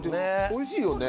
おいしいよね。